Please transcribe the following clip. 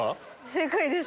正解です。